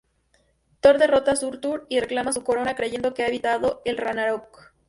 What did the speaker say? Thor derrota a Surtur y reclama su corona, creyendo que ha evitado el Ragnarök.